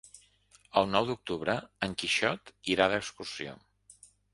El nou d'octubre en Quixot irà d'excursió.